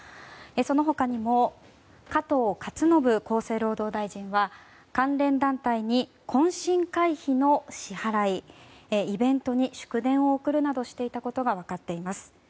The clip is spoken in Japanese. その他にも加藤勝信厚生労働大臣は関連団体に懇親会費の支払いイベントに祝電を送るなどしていたことが分かっています。